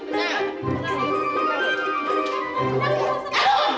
nggak udah kan